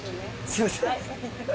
すいません。